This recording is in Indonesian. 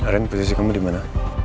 ren posisi kamu dimana